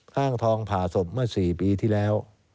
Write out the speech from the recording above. ห้างทองผ่าศพเมื่อ๔ปีที่แล้ว